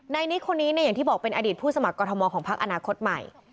นิกคนนี้เนี่ยอย่างที่บอกเป็นอดีตผู้สมัครกรทมของพักอนาคตใหม่